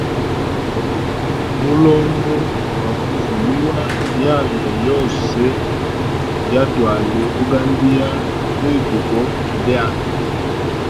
Mulongo gwa uvulua myanda yose ya twali ugandia mwi bugo lyami.